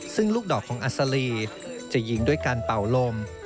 ซึ่งลูกดอกของอัศรีจะยิงด้วยการเป่าลม